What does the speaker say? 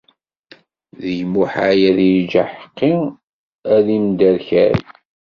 D lmuḥal ad yeǧǧ aḥeqqi ad imderkal.